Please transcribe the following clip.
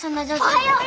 おはよう！